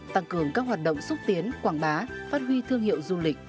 tăng cường các hoạt động xúc tiến quảng bá phát huy thương hiệu du lịch